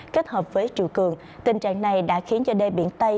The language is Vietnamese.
kết hợp với triều cường tình trạng này đã khiến cho đê biển tây